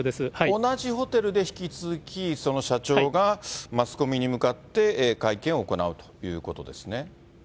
同じホテルで引き続き、社長がマスコミに向かって会見を行うということですね。